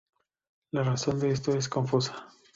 La razón de esto es confusa.